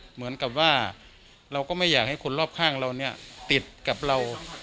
เหมือนกับว่าเราก็ไม่อยากให้คนรอบข้างเราเนี่ยติดกับเรา